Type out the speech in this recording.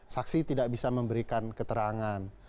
saksi tidak bisa memberikan keterangan